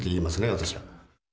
私は。